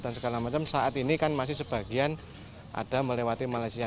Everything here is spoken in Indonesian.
segala macam saat ini kan masih sebagian ada melewati malaysia